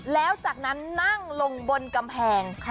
แล้วจากนั้นนั่งลงบนกำแพง